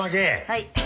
はい。